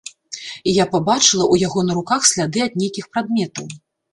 І я пабачыла ў яго на руках сляды ад нейкіх прадметаў.